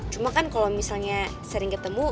cuma kan kalau misalnya sering ketemu